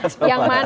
oh agak akbarnya ya